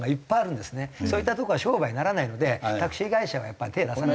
そういったとこは商売にならないのでタクシー会社は手出さない。